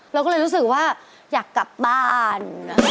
เราก็เลยรู้สึกว่าอยากกลับบ้าน